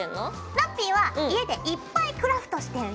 ラッピィは家でいっぱいクラフトしてるよ。